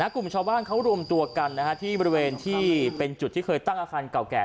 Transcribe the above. กลุ่มชาวบ้านเขารวมตัวกันที่บริเวณที่เป็นจุดที่เคยตั้งอาคารเก่าแก่